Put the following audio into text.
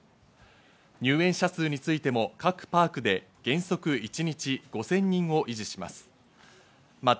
入園者数についても各パークで原則一日５０００人を維持します。